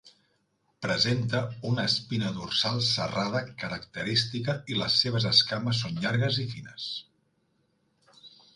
Presenta una espina dorsal serrada característica i les seves escames són llargues i fines.